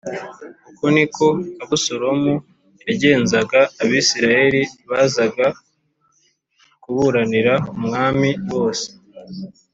Uko ni ko Abusalomu yagenzaga Abisirayeli bazaga kuburanira umwami bose.